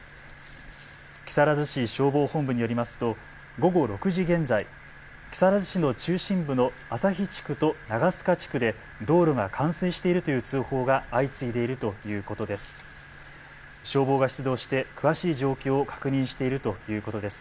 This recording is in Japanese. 木更津市消防本部によりますと午後６時現在、木更津市の中心部の朝日地区と長須賀地区で道路が冠水しているという通報が相次いでいるということです。